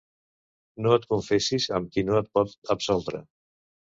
No et confessis amb qui no et pot absoldre.